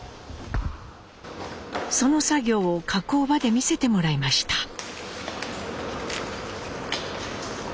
その作業を加工場で見せてもらいました。